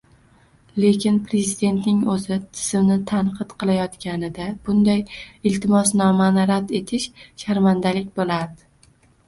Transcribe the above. Lekin prezidentning o'zi, tizimni tanqid qilayotganida, bunday iltimosnomani rad etish sharmandalik bo'lardi!